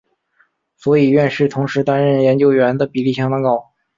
所以院士同时担任研究员的比率相当高。